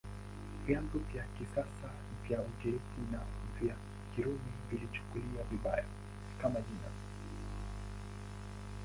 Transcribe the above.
Vyanzo vya kisasa vya Ugiriki na vya Kirumi viliichukulia vibaya, kama jina.